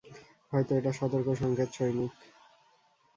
হয়তো একটা সতর্ক সংকেত, সৈনিক।